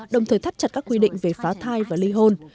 đồng thời thắt chặt các quy định về phá thai và ly hôn